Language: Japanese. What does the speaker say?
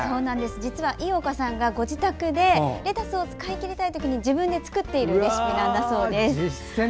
実は井岡さんがご自宅でレタスを使い切りたい時に作っているものだそうです。